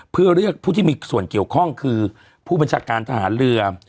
เพื่อเรียกผู้ที่มีส่วนเกี่ยวข้องคือผู้บัญชาการทหารเรือ